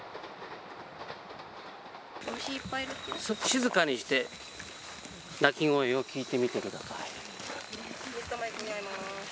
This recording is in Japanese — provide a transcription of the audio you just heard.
静かにして、鳴き声を聞いてみてください。